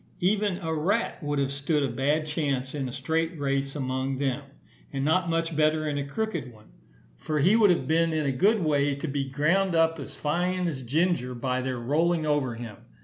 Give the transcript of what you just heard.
Even a rat would have stood a bad chance in a straight race among them, and not much better in a crooked one; for he would have been in a good way to be ground up as fine as ginger by their rolling over him.